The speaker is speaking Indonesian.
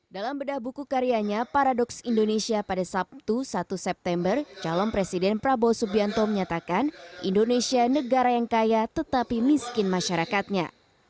dalam bedah buku karyanya paradoks indonesia pada sabtu satu september calon presiden prabowo subianto menyatakan indonesia negara yang kaya tetapi miskin masyarakatnya